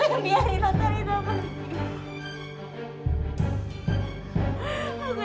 aku yang biarin lo tarik nama titi